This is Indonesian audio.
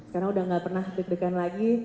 karena udah gak pernah deg degan lagi